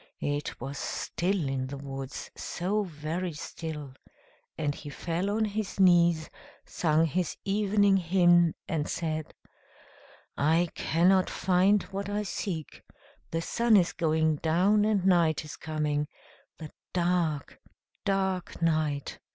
It was still in the woods, so very still; and he fell on his knees, sung his evening hymn, and said: "I cannot find what I seek; the sun is going down, and night is coming the dark, dark night.